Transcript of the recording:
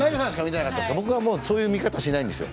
僕はそういう見方しないんです。